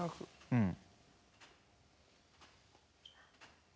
うん。